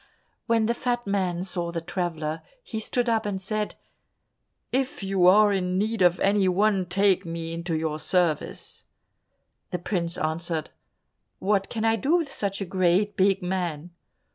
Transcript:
When the fat man saw the traveller, he stood up and said, "If you are in need of any one, take me into your service." The prince answered, "What can I do with such a great big man?"